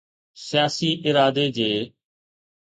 سياسي ارادي جي.